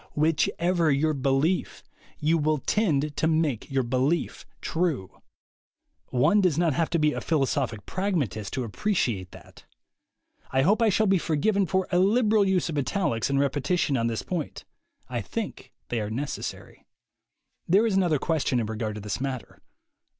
Whichever your belief, you will tend to make your belief true. One does not have to be a philosophic pragmatist to appre ciate that. I hope I shall be forgiven for a liberal use of italics and repetition on this point: I think they are necessary. There is another question in regard to this matter.